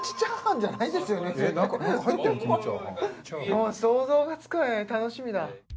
もう想像がつかない楽しみだ